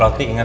roti inget ya